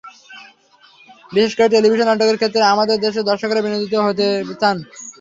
বিশেষ করে টেলিভিশন নাটকের ক্ষেত্রে আমাদের দেশের দর্শকেরা বিনোদিত হতে চান।